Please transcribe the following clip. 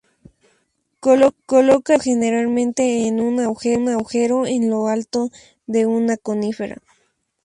Coloca el nido generalmente en un agujero en lo alto de una conífera.